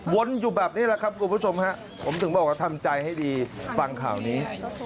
อยู่แบบนี้แหละครับคุณผู้ชมฮะผมถึงบอกว่าทำใจให้ดีฟังข่าวนี้